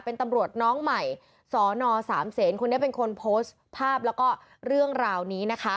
เป็นตำรวจน้องใหม่สนสามเศษคนนี้เป็นคนโพสต์ภาพแล้วก็เรื่องราวนี้นะคะ